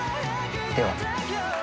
では。